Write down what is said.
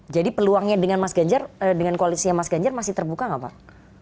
jadi peluangnya dengan mas ganjar dengan koalisnya mas ganjar masih terbuka nggak pak